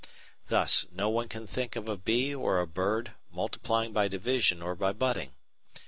Thus, no one can think of a bee or a bird multiplying by division or by budding.